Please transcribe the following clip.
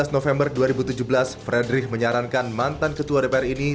dua belas november dua ribu tujuh belas fredrik menyarankan mantan ketua dpr ini